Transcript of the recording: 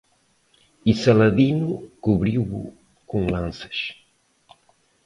E Saladino cobriu-o com lanças!